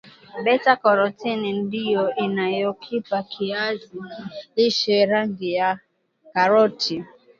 beta karotini ndio inayokipa kiazi lishe rangi ya karoti